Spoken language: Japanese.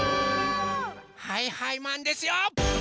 はいはいマンですよ！